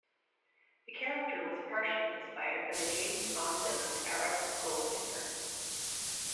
The character was partially inspired by the James Bond villain Auric Goldfinger.